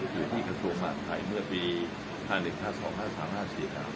อยู่ที่กระทรวงมาภัยเมื่อปี๕๑๕๒๕๓๕๔ครับ